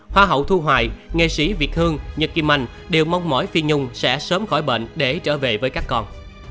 hoa hậu thu hoài nghệ sĩ việt hương nhật kim anh đều mong mỏi phi nhung sẽ sớm khỏi bệnh để trở về với các con